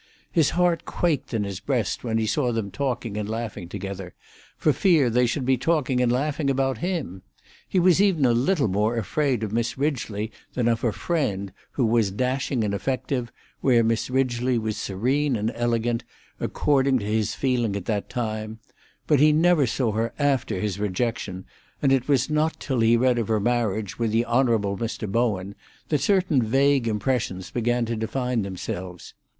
His heart quaked in his breast when he saw them talking and laughing together, for fear they should be talking and laughing about him; he was even a little more afraid of Miss Ridgely than of her friend, who was dashing and effective, where Miss Ridgely was serene and elegant, according to his feeling at that time; but he never saw her after his rejection, and it was not till he read of her marriage with the Hon. Mr. Bowen that certain vague impressions began to define themselves.